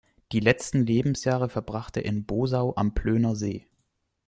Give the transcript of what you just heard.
Die letzten Lebensjahre verbrachte er in Bosau am Plöner See.